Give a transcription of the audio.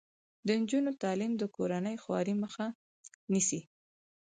د نجونو تعلیم د کورنۍ خوارۍ مخه نیسي.